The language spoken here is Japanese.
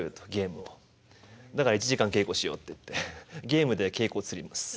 だから１時間稽古しようって言ってゲームで稽古を釣ります。